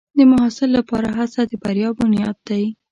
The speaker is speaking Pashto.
د محصل لپاره هڅه د بریا بنیاد دی.